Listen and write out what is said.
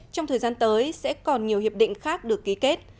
trong thời gian tới sẽ còn nhiều hiệp định khác được ký kết